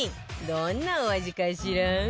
どんなお味かしら？